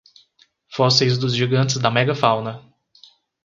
Fósseis dos gigantes da megafauna